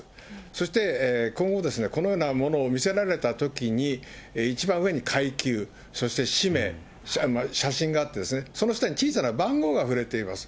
そして今後、このようなものを見せられたときに、一番上に階級、そして氏名、写真があってですね、その下に小さな番号がふられています。